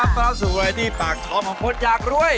บราวสวยดีปากทอมของปโรธยากรวย